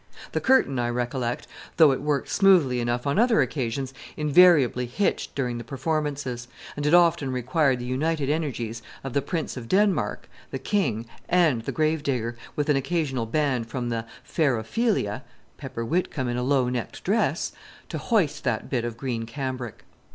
The curtain, I recollect, though it worked smoothly enough on other occasions, invariably hitched during the performances; and it often required the united energies of the Prince of Denmark, the King, and the Grave digger, with an occasional band from "the fair Ophelia" (Pepper Whitcomb in a low necked dress), to hoist that bit of green cambric.